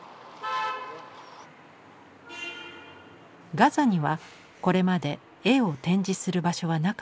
ガザにはこれまで絵を展示する場所はなかった。